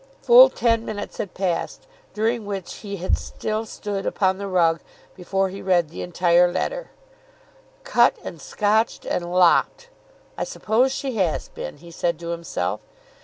Full ten minutes had passed, during which he had still stood upon the rug, before he read the entire letter. "'Cut and scotched and lopped!' I suppose she has been," he said to himself.